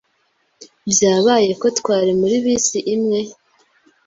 Byabaye ko twari muri bisi imwe.